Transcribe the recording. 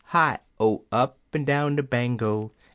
Hi O! Up'n down de Bango!)